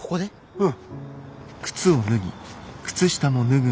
うん。